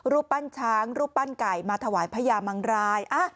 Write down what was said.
รูปปั้นช้างรูปปั้นไก่มาถวายพญามังราย